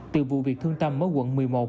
từ vụ việc thương tâm ở quận một mươi một